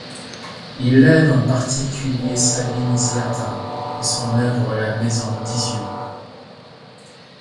Il aide en particulier Sabine Zlatin, et son œuvre la Maison d'Izieu.